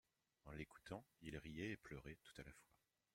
En l'écoutant, il riait et il pleurait tout à la fois.